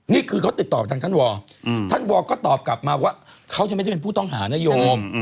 นี่คือเขาติดต่อไปทางท่านวอลท่านวอลก็ตอบกลับมาว่าเขาไม่ใช่ผู้ต้องหานโยม